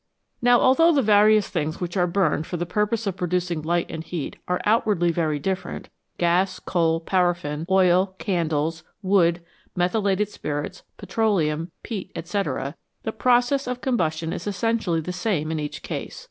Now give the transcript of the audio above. Now, although the various things which are burned for the purpose of producing light and heat are outwardly very different gas, coal, paraffin oil, candles, wood, methylated spirits, petroleum, peat, &c. the process of combustion is essentially the same in each case.